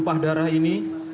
pah darah ini